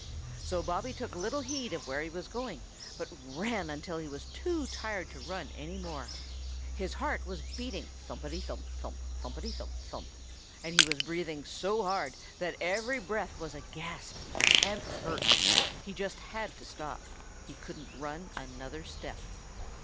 So Bobby took little heed of where he was going, but ran until he was too tired to run any more. His heart was beating thumpity thump thump, thumpity thump thump, and he was breathing so hard that every breath was a gasp and hurt. He just had to stop. He couldn't run another step.